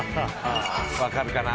分かるかな？